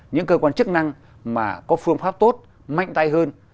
những cơ quan chức năng mà có phương pháp tốt mạnh tay hơn